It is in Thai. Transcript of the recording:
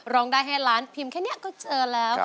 ร้องได้ให้ล้านพิมพ์แค่นี้ก็เจอแล้ว